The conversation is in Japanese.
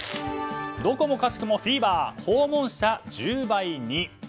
どこもかしこもフィーバー訪問者１０倍に。